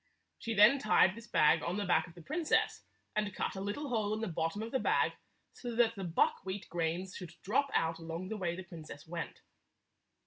She then tied this bag on the back of the princess, and cut a little hole in the bottom of the bag so that the buckwheat grains should drop out along the way the princess went.